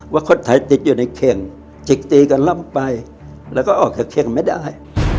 ว่าคนไทยติดอยู่ในเคียงจิกตีกันล่ำไปแล้วก็ออกจากเคียงไม่ได้